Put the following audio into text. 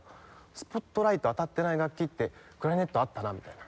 「スポットライト当たってない楽器ってクラリネットあったな」みたいな。